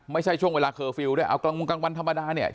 ไม่ใช่ช่วงเวลาเคอร์ฟิลล์ด้วยเอากลางวงกลางวันธรรมดาเนี่ย